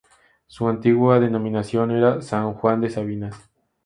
Su antigua denominación era San Juan de Sabinas.